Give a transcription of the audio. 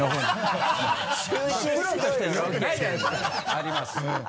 あります。